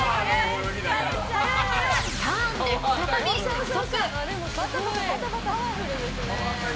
ターンで再び加速。